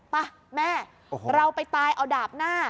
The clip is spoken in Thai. ป่ะแม่เราไปตายเอาดาบหน้า